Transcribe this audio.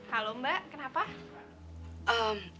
halo mbak kenapa